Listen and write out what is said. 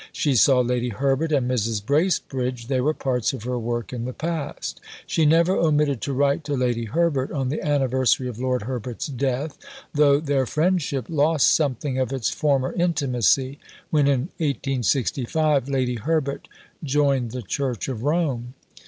She saw Lady Herbert and Mrs. Bracebridge: they were parts of her work in the past. She never omitted to write to Lady Herbert on the anniversary of Lord Herbert's death, though their friendship lost something of its former intimacy when in 1865 Lady Herbert joined the Church of Rome.